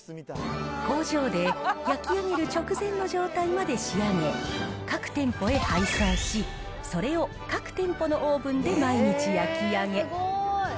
工場で焼き上げる直前の状態まで仕上げ、各店舗へ配送し、それを各店舗のオーブンで毎日焼き上げ。